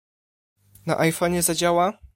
Na iPhonie zadziała?